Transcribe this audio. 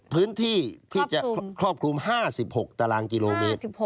พื้นที่ที่จะครอบคลุม๕๖ตารางกิโลเมตร